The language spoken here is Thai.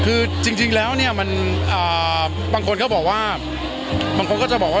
คือจริงแล้วเนี่ยมันบางคนก็บอกว่า